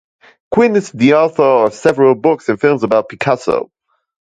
Quinn is the author of several books and films about Picasso.